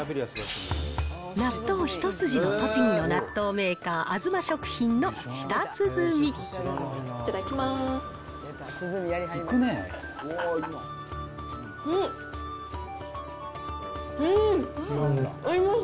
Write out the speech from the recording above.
納豆一筋の栃木の納豆メーカー、いただきます。